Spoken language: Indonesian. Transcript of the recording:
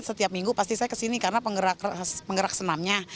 setiap minggu pasti saya kesini karena penggerak senamnya